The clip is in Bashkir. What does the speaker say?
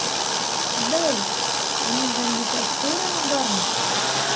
Бәй, һинең кандидатураң бармы?